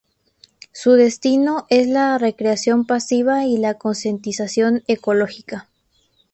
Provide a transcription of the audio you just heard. Su destino es la recreación pasiva y la concientización ecológica.